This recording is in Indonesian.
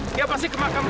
dia pasti kemakam